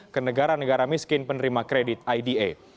ke negara negara miskin penerima kredit ida